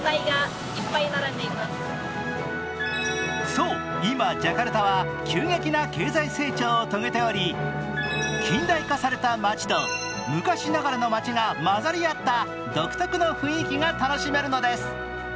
そう、今ジャカルタは急激な経済成長を遂げており近代化された街と昔ながらの街が混ざり合った独特の雰囲気が楽しめるのです。